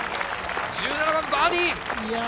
１７番バーディー。